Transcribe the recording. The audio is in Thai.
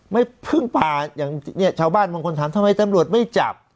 พึ่งป่าอย่างเนี่ยชาวบ้านบางคนถามทำไมตำรวจไม่จับ